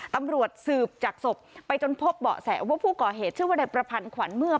ตำรวจสืบจากศพไปจนพบเบาะแสว่าผู้ก่อเหตุชื่อว่านายประพันธ์ขวัญเมื่อ